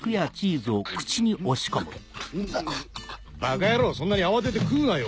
バカ野郎そんなに慌てて食うなよ